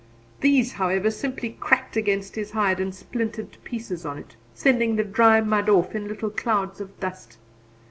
These, however, simply cracked against his hide and splintered to pieces on it, sending the dry mud off in little clouds of dust.